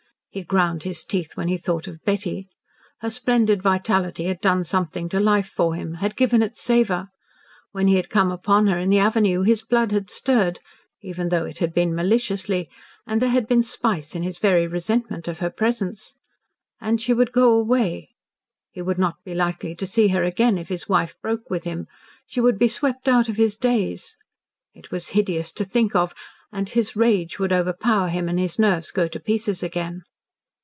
He ground his teeth when he thought of Betty. Her splendid vitality had done something to life for him had given it savour. When he had come upon her in the avenue his blood had stirred, even though it had been maliciously, and there had been spice in his very resentment of her presence. And she would go away. He would not be likely to see her again if his wife broke with him; she would be swept out of his days. It was hideous to think of, and his rage would overpower him and his nerves go to pieces again.